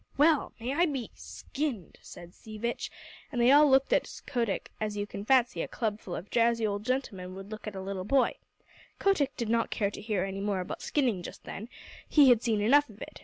"Well! May I be skinned!" said Sea Vitch, and they all looked at Kotick as you can fancy a club full of drowsy old gentlemen would look at a little boy. Kotick did not care to hear any more about skinning just then; he had seen enough of it.